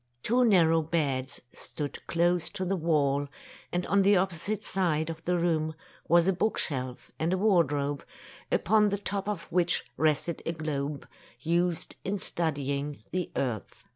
Two narrow beds stood close to the wall, and on the opposite side of the room was a book shelf and a wardrobe, upon the top of which rested a globe used in studying the earth.